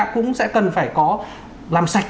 cũng sẽ cần phải có làm sạch